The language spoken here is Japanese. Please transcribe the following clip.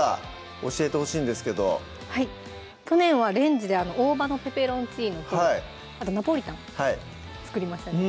教えてほしいんですけどはい去年はレンジで「大葉のペペロンチーノ」とあと「ナポリタン」作りましたね